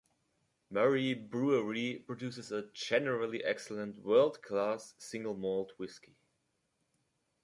Murree brewery produces a generally excellent world class single malt whisky.